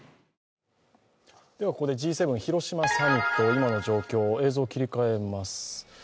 ここでＧ７広島サミット今の状況、映像を切り替えます。